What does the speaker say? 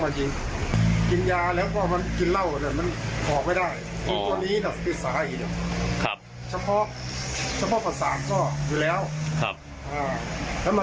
ระยะประมาณสักเมตร